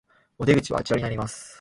お出口はあちらになります